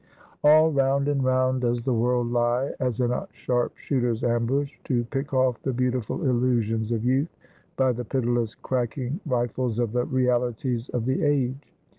All round and round does the world lie as in a sharp shooter's ambush, to pick off the beautiful illusions of youth, by the pitiless cracking rifles of the realities of the age.